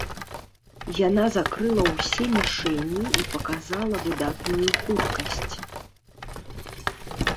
Яна закрыла ўсе мішэні і паказала выдатную хуткасць.